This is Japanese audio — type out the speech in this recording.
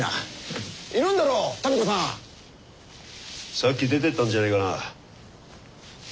さっき出ていったんじゃないかなあ。